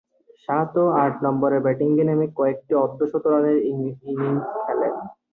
সাত ও আট নম্বরে ব্যাটিংয়ে নেমে কয়েকটি অর্ধ-শতরানের ইনিংস খেলেন।